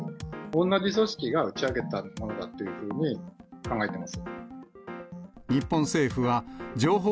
同じ組織が打ち上げたものだっていうふうに考えてます。